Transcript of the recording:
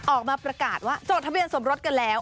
ออกมาประกาศว่าจดทะเบียนสมรสกันแล้ว